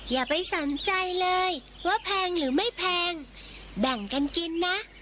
อย่าไปสนใจเลยว่าแพงหรือไม่แพงแบ่งกันกินนะ